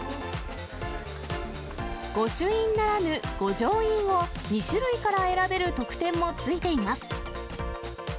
御朱印ならぬ御城印を、２種類から選べる特典もついています。